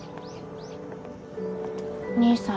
兄さん